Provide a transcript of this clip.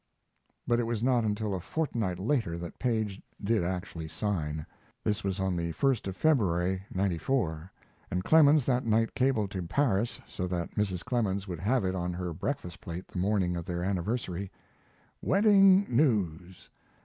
But it was not until a fortnight later that Paige did actually sign. This was on the 1st of February, '94, and Clemens that night cabled to Paris, so that Mrs. Clemens would have it on her breakfast plate the morning of their anniversary: "Wedding news.